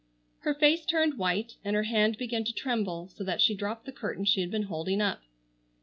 Her face turned white and her hand began to tremble so that she dropped the curtain she had been holding up.